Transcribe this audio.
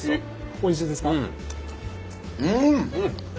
おいしいですか？